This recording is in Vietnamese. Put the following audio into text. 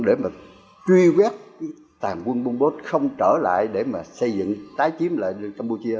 để mà truy vết tàn quân bom bốt không trở lại để mà xây dựng tái chiếm lại campuchia